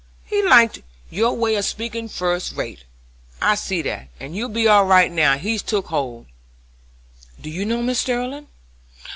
He liked your way of speakin' fust rate, I see that, and you'll be all right now he's took hold." "Do you know Mrs. Sterling?"